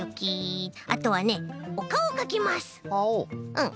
うん。